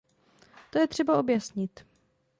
To je třeba objasnit.